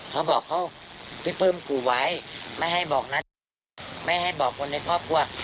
เขาบอกเขาพี่ปลื้มกูไว้ไม่ให้บอกนัทไม่ให้บอกคนในครอบครัว